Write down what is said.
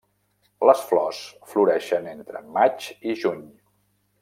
Les flors floreixen entre maig i juny.